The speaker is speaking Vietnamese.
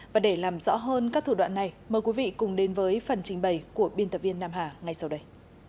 và để làm rõ hơn các thủ đoạn này mời quý vị cùng đến với phần trình bày của biên tập viên nam hà ngay sau đây